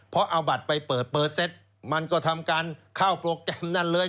เพราะเอาบัตรไปเปิดเปิดเสร็จมันก็ทำการเข้าโปรแกรมนั่นเลย